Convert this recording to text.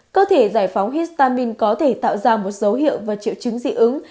cơ thể giải phóng histamine có thể tạo ra một dấu hiệu và triệu chứng dị ứng